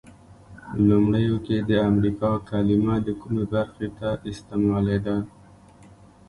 لومړیو کې د امریکا کلمه د کومې برخې ته استعمالیده؟